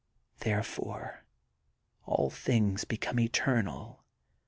Therefore all things become eternal.